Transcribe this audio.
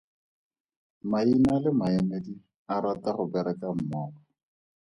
Maina le maemedi a rata go bereka mmogo.